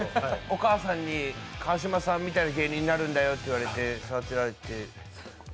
お母さんに、川島さんのような芸人になるんだよって育てられて。